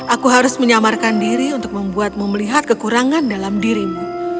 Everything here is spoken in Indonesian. aku harus menyamarkan diri untuk membuatmu melihat kekurangan dalam dirimu